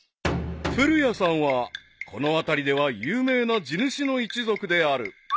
［古谷さんはこの辺りでは有名な地主の一族である］